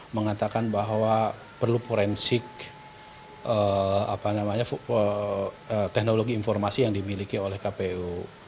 mengatakan bahwa perlu forensik teknologi informasi yang dimiliki oleh kpu